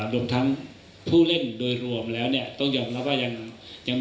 มีผลต่อแดนกลางแต่ก็จะหาวิธีปิดจุดอ่อนให้ได้ครับ